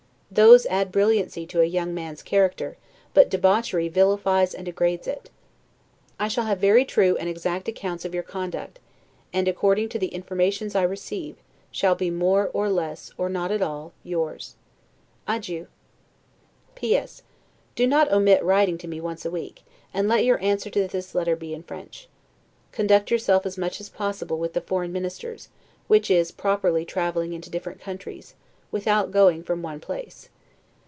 Those add brilliancy to a young man's character; but debauchery vilifies and degrades it. I shall have very true and exact accounts of your conduct; and, according to the informations I receive, shall be more, or less, or not at all, yours. Adieu. P. S. Do not omit writing to me once a week; and let your answer to this letter be in French. Connect yourself as much as possible with the foreign ministers; which is properly traveling into different countries, without going from one place.